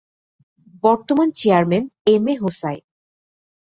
বর্তমান chairman: M A Hossain.